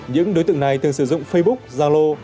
những đối tượng này thường sử dụng facebook zalo